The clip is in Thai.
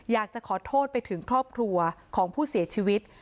อยากจะขอโทษไปถึงครอบครัวของผู้เสียชีวิต